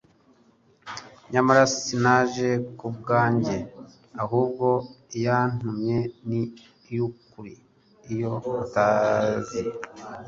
nyamara sinaje ku bwanjye, ahubwo Iyantume ni Iy'ukuri, iyo mutazi."